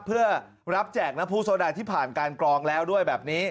เพื่อรับแจกนะผู้โซดาที่ผ่านการกรองแล้วด้วยแบบนี้